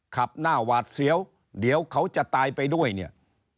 ขับหน้าหวาดเสียวเดี๋ยวเขาจะตายไปด้วยเนี่ย